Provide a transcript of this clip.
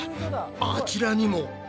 あちらにも！